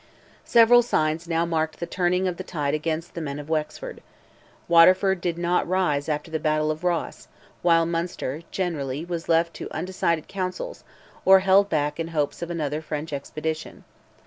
Several signs now marked the turning of the tide against the men of Wexford. Waterford did not rise after the battle of Ross; while Munster, generally, was left to undecided councils, or held back in hopes of another French expedition.